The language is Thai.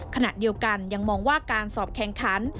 ขณะเดียวกันยังมองว่าการสอบแข่งขัน